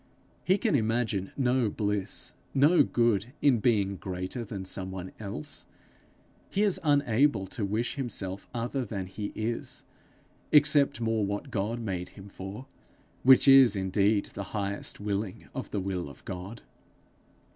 He can imagine no bliss, no good in being greater than some one else. He is unable to wish himself other than he is, except more what God made him for, which is indeed the highest willing of the will of God.